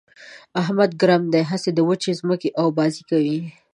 احمد ګرم دی؛ هسې د وچې ځمکې اوبازي کوي.